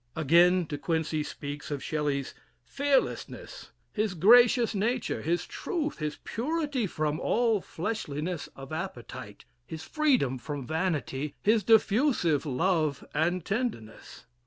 Again, De Quincey speaks of Shelley's "fearlessness, his gracious nature, his truth, his purity from all flesh liness of appetite, his freedom from vanity, his diffusive love and tenderness."